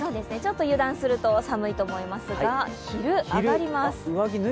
油断すると寒いと思いますが昼、上がります。